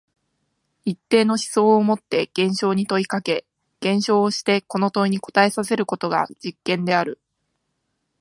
一定の思想をもって現象に問いかけ、現象をしてこの問いに答えさせることが実験である。